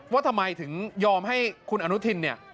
ว่าทำไมถึงยอมให้คุณอนุทินเนี่ย